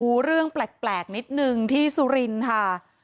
ดูเรื่องแปลกนิดนึงที่สุรินทร์ค่ะ